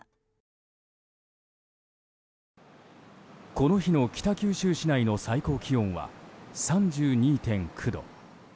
この日の北九州市内の最高気温は３２．９度。